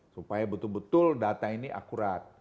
supaya betul betul data ini akurat